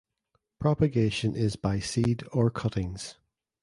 Propagation is by seed or cuttings.